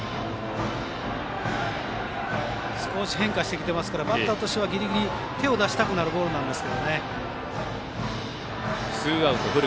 少し変化してきていますからバッターとしてはギリギリ手を出したくなるボールなんです。